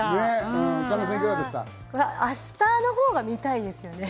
明日のほうが見たいですね。